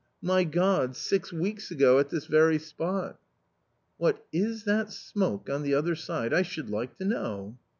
My God, six weeks ago, at this very spot !"" What is that smoke on the other side, I should like to know."